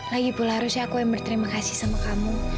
lagipula harusnya aku yang berterima kasih sama kamu